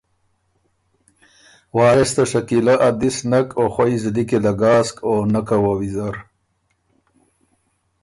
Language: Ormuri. وارث ته شکیله ا دِس نک او خوئ زلی کی له ګاسک او نکه وه ویزر